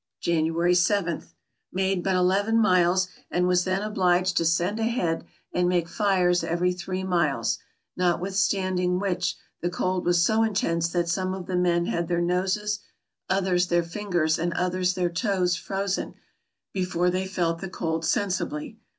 January y. — Made but eleven miles, and was then obliged to send ahead and make fires every three miles ; not withstanding which, the cold was so intense that some of the men had their noses, others their fingers, and others their toes, frozen, before they felt the cold sensibly.